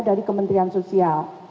dari kementrian sosial